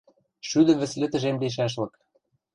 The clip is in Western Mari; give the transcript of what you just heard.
— Шӱдӹ вӹцлӹ тӹжем лишӓшлык.